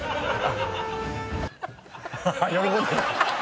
喜んでる。